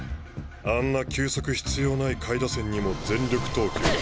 あんな球速必要ない下位打線にも全力投球だ。